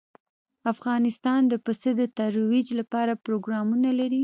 افغانستان د پسه د ترویج لپاره پروګرامونه لري.